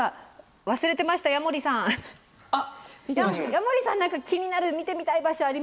矢守さん何か気になる見てみたい場所ありますか？